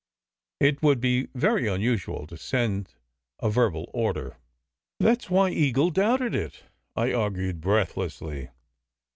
It would be very unusual to send a verbal order." "That s why Eagle doubted it," I argued breathlessly.